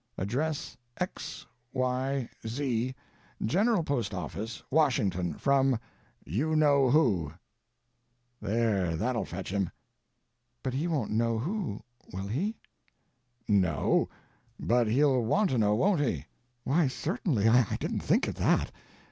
Address X. Y. Z., General Postoffice, Washington. From YOU KNOW WHO." "There—that'll fetch him." "But he won't know who—will he?" "No, but he'll want to know, won't he?" "Why, certainly—I didn't think of that.